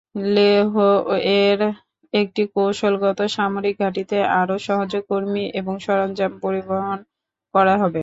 লেহ-এর একটি কৌশলগত সামরিক ঘাঁটিতে আরো সহজে কর্মী এবং সরঞ্জাম পরিবহন করা হবে।